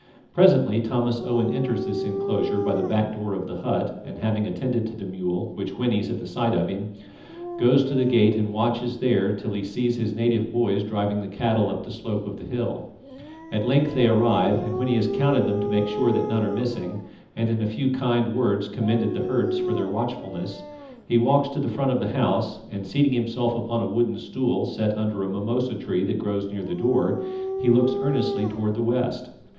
Presently Thomas Owen enters this enclosure by the back door of the hut, and having attended to the mule, which whinnies at the sight of him, goes to the gate and watches there till he sees his native boys driving the cattle up the slope of the hill. At length they arrive, and when he has counted them to make sure that none are missing, and in a few kind words commended the herds for their watchfulness, he walks to the front of the house and, seating himself upon a wooden stool set under a mimosa tree that grows near the door, he looks earnestly towards the west.